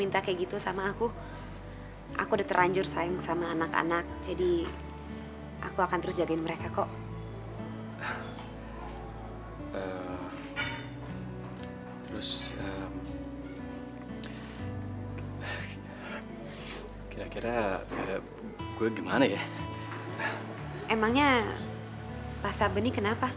terus kalian juga harus janji